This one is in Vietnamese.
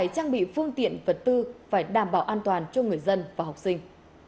trang bị phương tiện vật tư phải đảm bảo an toàn cho người dân và học sinh